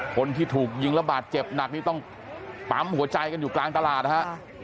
คนที่ถูกยิงระบาดเจ็บหนักนี่ต้องปั๊มหัวใจกันอยู่กลางตลาดนะฮะ